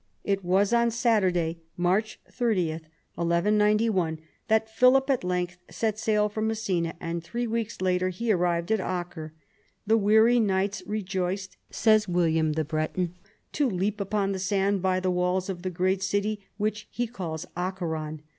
It was on Saturday, March 30, 1191, that Philip at length set sail from Messina, and three weeks later he arrived at Acre. The weary knights rejoiced, says William the Breton, to leap upon the sand by the walls of the great city which he calls Acharon.